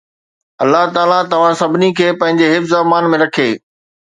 الله تعاليٰ توهان سڀني کي پنهنجي حفظ و امان ۾ رکي.